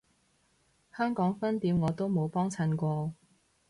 香港分店我都冇幫襯過